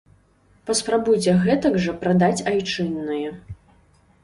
Паспрабуйце гэтак жа прадаць айчыннае.